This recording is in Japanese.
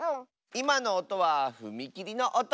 いまのおとはふみきりのおと！